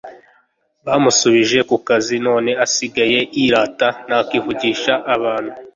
bamusubije kukazi none asigaye irata ntakivugisha abantu